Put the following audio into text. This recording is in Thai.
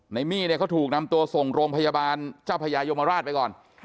ในมี่เนี่ยเขาถูกนำตัวส่งโรงพยาบาลเจ้าพญายมราชไปก่อน